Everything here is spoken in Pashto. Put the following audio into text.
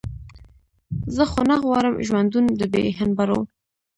زه خو نه غواړم ژوندون د بې هنبرو.